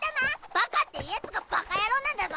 バカって言うヤツがバカ野郎なんだぞ！